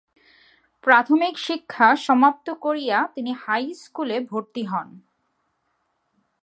প্রাথমিক শিক্ষা সমাপ্ত করিয়া তিনি হাইস্কুলে ভর্তি হন।